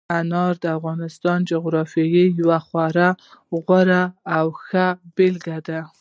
انار د افغانستان د جغرافیې یوه خورا غوره او ښه بېلګه ده.